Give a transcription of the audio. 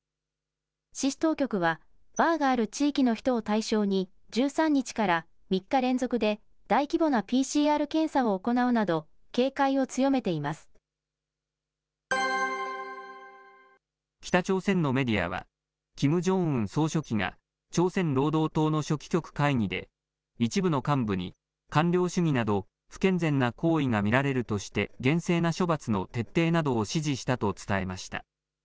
市当局は、バーがある地域の人を対象に、１３日から３日連続で、大規模なＰＣＲ検査を行うなど、警戒を強北朝鮮のメディアは、キム・ジョンウン総書記が、朝鮮労働党の書記局会議で一部の幹部に官僚主義など、不健全な行為が見られるとして、厳正な処罰の徹底などを指示したと伝えました。